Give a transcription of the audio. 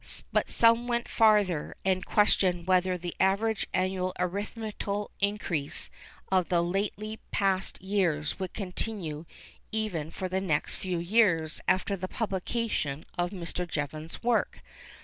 But some went farther, and questioned whether the average annual arithmetical increase of the lately passed years would continue even for the next few years after the publication of Mr. Jevons's work.